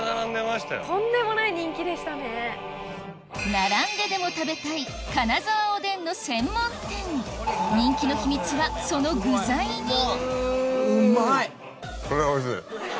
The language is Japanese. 並んででも食べたい金沢おでんの専門店人気の秘密はその具材にうまい！